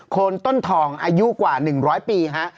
คนต้นทองอายุกว่า๑๐๐ปีฮะ